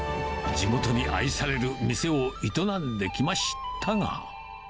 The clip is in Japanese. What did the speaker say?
地元に愛される店を営んできましたが。